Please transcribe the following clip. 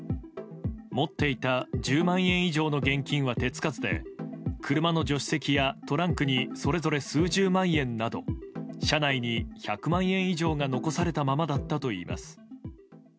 持っていた１０万円以上の現金は手つかずで車の助手席やトランクにそれぞれ数十万円など車内に１００万円以上が残されたままだったといいます。